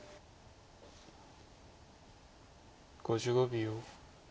５５秒。